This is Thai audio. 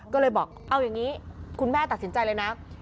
ก็เลยบอกเอาอย่างนี้คุณแม่ตัดสินใจเลยนะ